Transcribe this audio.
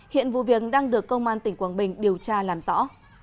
hiện vụ việc đang được công an tỉnh quảng bình điều tra làm rõ